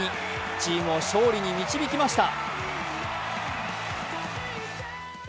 チームを勝利に導きました。